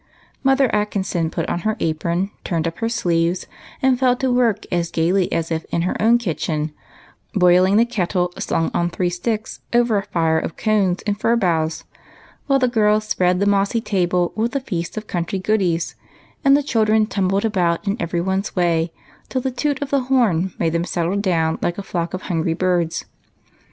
Mother Atkinson put on her apron, turned up her sleeves, and fell to work as gayly as if in her own kitchen, boiling the kettle slung on three sticks over a fire of cones and fir boughs ; while the girls spread the mossy table with a feast of country goodies, and the children tumbled about in every one's way till the toot of the horn made them settle down like a flock of hungry birds.